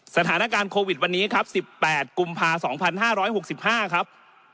สถานการณ์โควิดวันนี้ครับ๑๘กุมภา๒๕๖๕ครับ